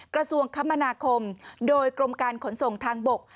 กระทรวงคมนาคมโดยกรมการขนส่งทางบก